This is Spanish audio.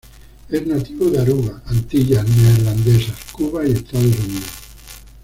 Es nativo de Aruba, Antillas Neerlandesas, Cuba y Estados Unidos.